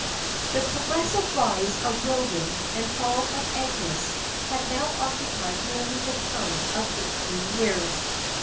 The progressive rise of William and fall of Agnes had now occupied nearly the term of eighteen years.